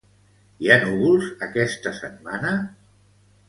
Hi ha núvols aquesta setmana?